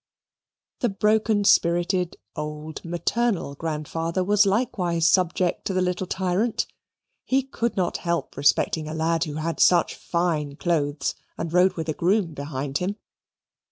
The broken spirited, old, maternal grandfather was likewise subject to the little tyrant. He could not help respecting a lad who had such fine clothes and rode with a groom behind him.